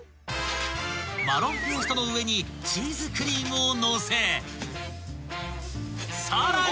［マロンペーストの上にチーズクリームをのせさらに］